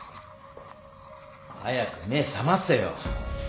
早く目覚ませよ。